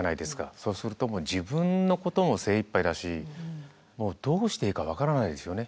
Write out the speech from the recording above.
そうすると自分のことも精いっぱいだしどうしていいか分からないですよね。